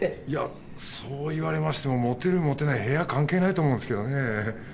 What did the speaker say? いやそう言われましてもモテるモテない部屋関係ないと思うんですけどね。